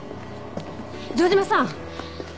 城島さん。